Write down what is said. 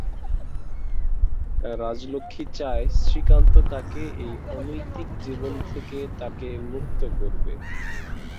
রাজলক্ষ্মী চায় শ্রীকান্ত তাকে এই অনৈতিক জীবন থেকে তাকে মুক্ত করবে।